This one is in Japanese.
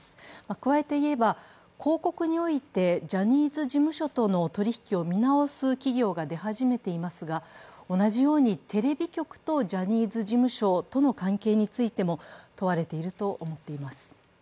加えて言えば、広告においてジャニーズ事務所との取り引きを見直す企業が出始めていますが同じようにテレビ局とジャニーズ事務所との関係についても問われていると思っています。